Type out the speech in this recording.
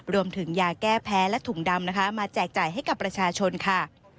รวมถึงยาแก้แพ้และถุงดำนะคะมาแจกจ่ายให้กับประชาชนค่ะ